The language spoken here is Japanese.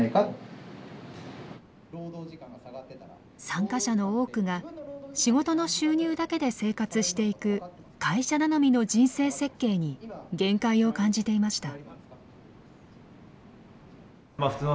参加者の多くが仕事の収入だけで生活していく会社頼みの人生設計に限界を感じていました。